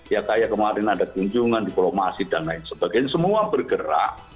ya kayak kemarin ada kunjungan diplomasi dan lain sebagainya semua bergerak